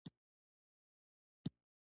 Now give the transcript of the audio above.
هر وخت چې وغواړم د هغو لیدو ته ورځم.